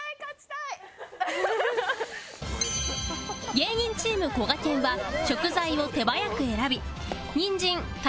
芸人チームこがけんは食材を手早く選び人参たけのこ